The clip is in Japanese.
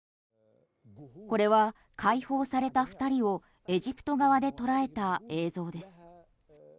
これは解放された２人をエジプト側で捉えた映像です。